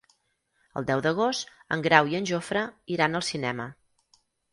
El deu d'agost en Grau i en Jofre iran al cinema.